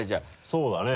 そうだね。